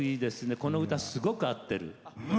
この歌、すごく合ってる。